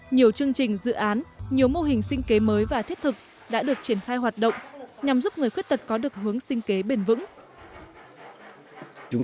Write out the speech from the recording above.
nhiều chương trình dự án nhiều mô hình sinh kế mới và thiết thực đã được triển khai hoạt động nhằm giúp người khuyết tật có được hướng sinh kế bền vững